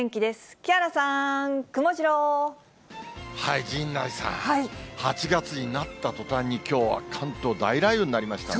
木原さん、はい、陣内さん、８月になったとたんに、きょうは関東、大雷雨になりましたね。